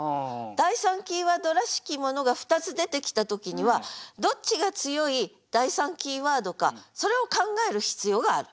第３キーワードらしきものが２つ出てきた時にはどっちが強い第３キーワードかそれを考える必要がある。